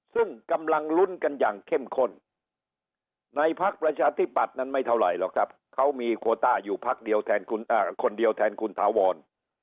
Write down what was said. ซึ่งกำลังลุ้นกันอย่างเข้มข้นในพักประชาธิปัตย์นั้นไม่เท่าไหร่หรอกครับเขามีโคต้าอยู่พักเดียวแทนคนเดียวแทนคุณถาวร